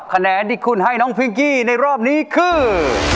คะแนนที่คุณให้น้องพิงกี้ในรอบนี้คือ